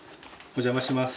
お邪魔します。